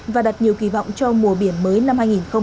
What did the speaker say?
và đặt nhiều kỳ vọng cho mùa biển mới năm hai nghìn hai mươi